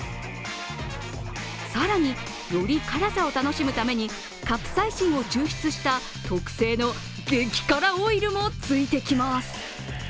更に、より辛さを楽しむためにカプサイシンを抽出した特製の激辛オイルもついてきます。